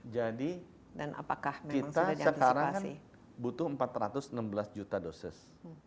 jadi kita sekarang kan butuh empat ratus enam belas juta dosis